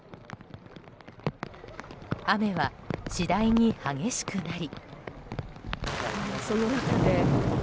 雨は次第に激しくなり。